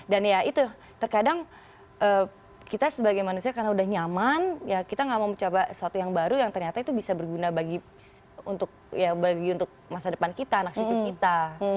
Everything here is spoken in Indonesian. dan ya itu terkadang kita sebagai manusia karena udah nyaman ya kita nggak mau mencoba sesuatu yang baru yang ternyata itu bisa berguna bagi untuk masa depan kita anak hidup kita